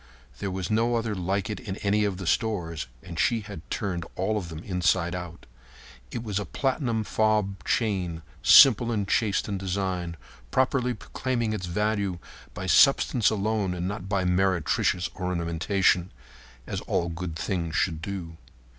There was no other like it in any of the stores, and she had turned all of them inside out. It was a platinum fob chain simple and chaste in design, properly proclaiming its value by substance alone and not by meretricious ornamentation—as all good things should do.